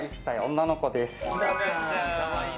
女の子です。